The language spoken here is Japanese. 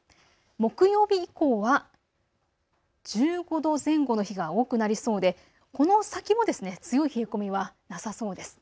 木曜日以降は１５度前後の日が多くなりそうでこの先も強い冷え込みはなさそうです。